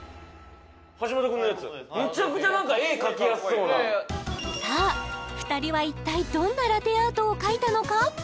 橋本君のやつめちゃくちゃ絵描きやすそうなさあ２人は一体どんなラテアートを描いたのか？